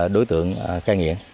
đối tượng cai nghiện